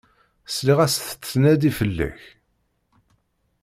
Sliɣ-as tettnadi fell-ak.